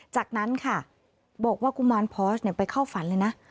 จากนั้นค่ะบอกว่ากุมารพอสไปเข้าฝันเลยนะ